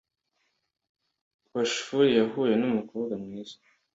Bashful yahuye numukobwa mwiza